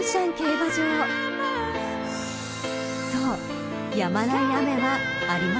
［そう］